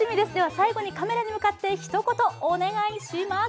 最後にカメラに向かって一言、お願いします。